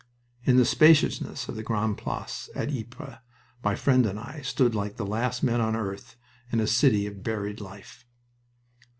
In the spaciousness of the Grande Place at Ypres my friend and I stood like the last men on earth in a city of buried life.